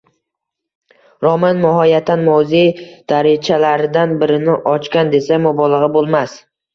Roman mohiyatan moziy darichalaridan birini ochgan, desak mubolag`a bo`lmas